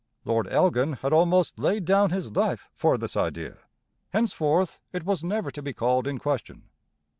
Lord Elgin had almost laid down his life for this idea; henceforth it was never to be called in question.